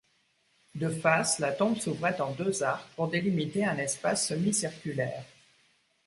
De face, la tombe s’ouvrait en deux arcs pour délimiter un espace semi-circulaire.